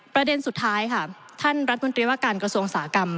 ประเด็นสุดท้ายค่ะท่านรัฐมนตรีว่าการกระทรวงอุตสาหกรรม